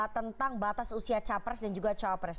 tentang batas usia capres dan juga cawapres